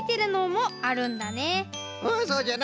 ああそうじゃな。